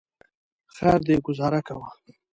خیر دی ګوزاره کوه.